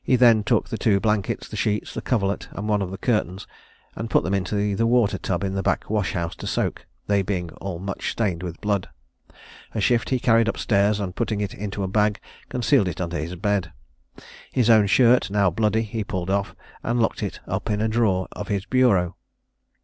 He then took the two blankets, the sheets, the coverlet, and one of the curtains, and put them into the water tub in the back wash house to soak, they being all much stained with blood. Her shift he carried up stairs, and putting it into a bag, concealed it under his bed. His own shirt, now bloody, he pulled off, and locked it up in a drawer of his bureau.